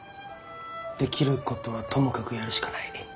できることはともかくやるしかない。